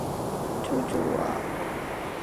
救救我啊！